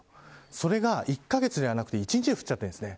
それが１カ月ではなくて１日で降っちゃってるんです。